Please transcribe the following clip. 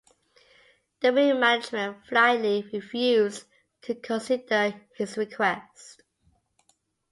The Real management flatly refused to consider his request.